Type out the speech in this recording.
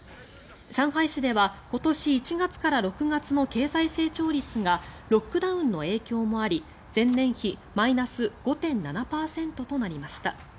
上海市では今年１月から６月の経済成長率がロックダウンの影響もあり前年比マイナス５．７％となりました。